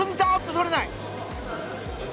とれない！